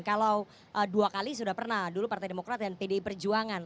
kalau dua kali sudah pernah dulu partai demokrat dan pdi perjuangan